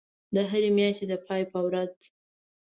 د هری میاشتی د پای په ورځ